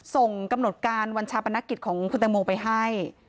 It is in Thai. ส่งกำหนดการวันชาปนกิจของคุณแตงโมไปให้